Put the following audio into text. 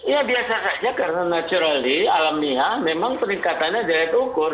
ya biasa saja karena naturalnya alamiah memang peningkatannya dari ukur